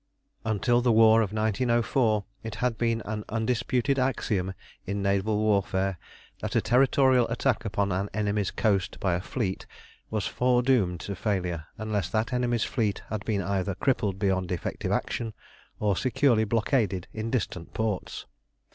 Until the war of 1904, it had been an undisputed axiom in naval warfare that a territorial attack upon an enemy's coast by a fleet was foredoomed to failure unless that enemy's fleet had been either crippled beyond effective action, or securely blockaded in distant ports.